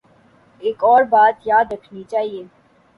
ایک اور بات یاد رکھنی چاہیے۔